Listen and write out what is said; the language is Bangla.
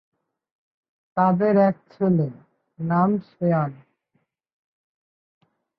তাদের এক ছেলে, নাম শ্রেয়ান।